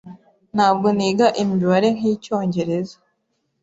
Ntabwo niga imibare nkicyongereza.